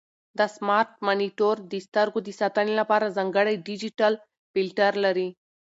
دا سمارټ مانیټور د سترګو د ساتنې لپاره ځانګړی ډیجیټل فلټر لري.